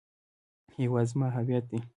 هیواد زما هویت دی